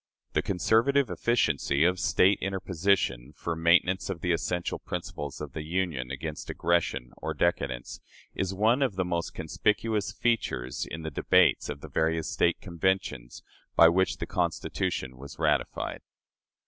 The conservative efficiency of "State interposition," for maintenance of the essential principles of the Union against aggression or decadence, is one of the most conspicuous features in the debates of the various State Conventions by which the Constitution was ratified.